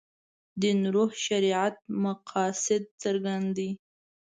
دین روح شریعت مقاصد څرګند دي.